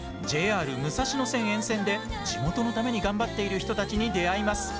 ＪＲ武蔵野線沿線で地元のために頑張っている人たちに出会います。